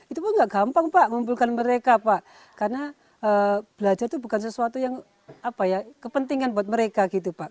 itu pun nggak gampang pak ngumpulkan mereka pak karena belajar itu bukan sesuatu yang kepentingan buat mereka gitu pak